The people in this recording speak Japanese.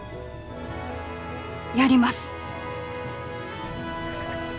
やります！